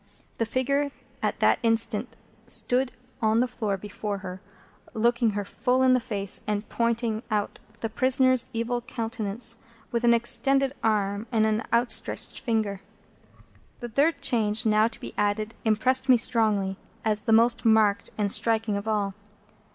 The figure at that instant stood on the floor before her, looking her full in the face, and pointing out the prisoner's evil countenance with an extended arm and an outstretched finger. The third change now to be added impressed me strongly as the most marked and striking of all.